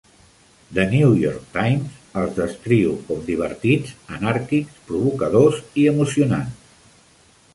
The New York Times els descriu com divertits, anàrquics, provocadors i emocionants.